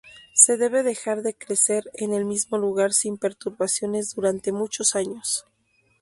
Se debe dejar de crecer en el mismo lugar sin perturbaciones durante muchos años.